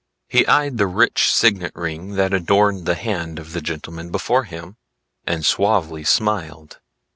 He eyed the rich signet ring that adorned the hand of the gentleman before him and suavely smiled.